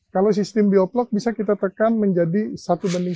kalau sistem bioblock bisa kita tekan menjadi satu banding satu